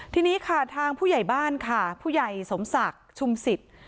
ทีนี้ค่ะทางผู้ใหญ่บ้านค่ะผู้ใหญ่สมศักดิ์ชุมสิทธิ์